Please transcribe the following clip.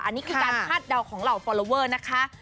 อันนี้คือการคาดเดาของเหล่าฟอลลอเวอร์นะคะ